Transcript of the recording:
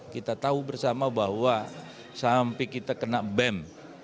kita tahu bersama bahwa sampai kita kena bem